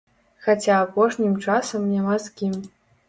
Хаця апошнім часам няма з кім.